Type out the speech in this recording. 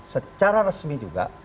secara resmi juga